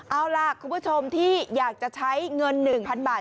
เอาล่ะคุณผู้ชมที่อยากจะใช้เงิน๑๐๐๐บาท